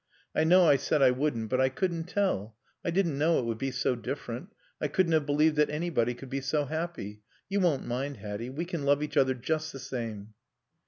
I know I said I wouldn't, but I couldn't tell; I didn't know it would be so different. I couldn't have believed that anybody could be so happy. You won't mind, Hatty. We can love each other just the same...."